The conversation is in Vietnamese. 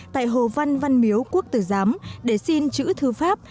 tại hồ văn văn miếu quốc tử giám để xin chữ thư pháp